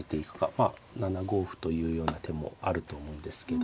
まあ７五歩というような手もあると思うんですけど。